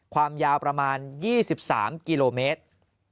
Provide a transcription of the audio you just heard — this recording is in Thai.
ความยาวประมาณ๒๓กิโลเมตร